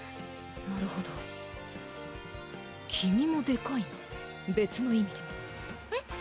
なるほど君もでかいな別の意味でえっ？